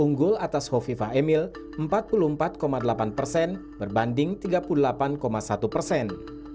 unggul atas hovifah emil empat puluh empat delapan persen berbanding tiga puluh delapan satu persen